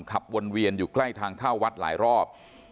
ขับวนเวียนอยู่ใกล้ทางเข้าวัดหลายรอบ